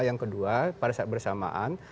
yang kedua pada saat bersamaan